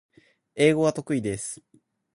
英語が得意です